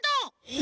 え！？